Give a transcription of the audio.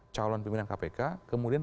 calon pimpinan kpk kemudian